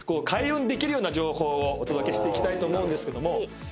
開運できるような情報をお届けしたいと思うんですけども。